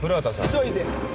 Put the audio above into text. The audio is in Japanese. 急いで。